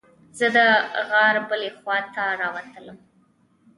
زه د غار بلې خوا ته راووتلم.